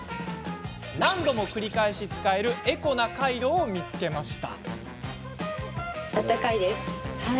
何度も繰り返し使えるエコなカイロを見つけました。